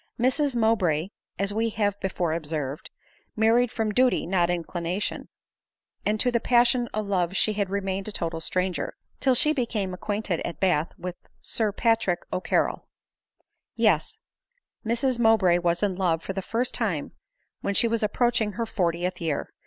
Mrs Mow bray, as we have before observed, married from duly, not inclination ; and to the passion of love she had re mained a total stranger, till she became acquainted at Bath with Sir Patrick O'Carrol. Yes ; Mrs Mowbray was in love for the first time when she was approaching her fortieth year